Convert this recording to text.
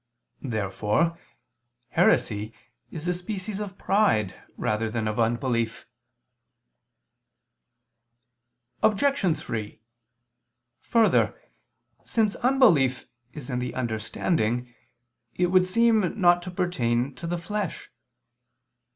Therefore heresy is a species of pride rather than of unbelief. Obj. 3: Further, since unbelief is in the understanding, it would seem not to pertain to the flesh.